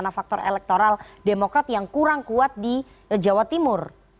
karena faktor elektoral demokrat yang kurang kuat di jawa timur